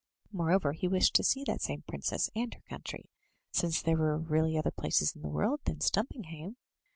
Moreover, he wished to see that same princess and her country, since there were really other places in the world than Stumpinghame.